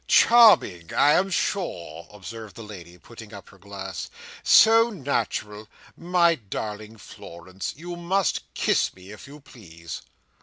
"Charming, I am sure," observed the lady, putting up her glass. "So natural! My darling Florence, you must kiss me, if you please."